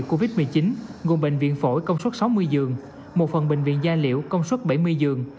covid một mươi chín gồm bệnh viện phổi công suất sáu mươi giường một phần bệnh viện gia liễu công suất bảy mươi giường